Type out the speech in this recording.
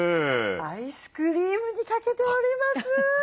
アイスクリームにかけております。